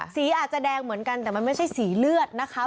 สีอาจจะแดงเหมือนกันแต่มันไม่ใช่สีเลือดนะคะ